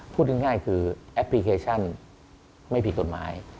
พูดง่ายคือแอปพลิเคชันไม่ผิดกฎหมาย